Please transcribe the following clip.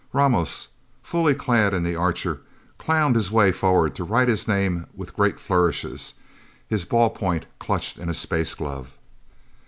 Ramos, fully clad in the Archer, clowned his way forward to write his name with great flourishes, his ball point clutched in a space glove.